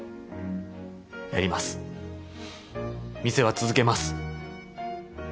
やります店は続けます。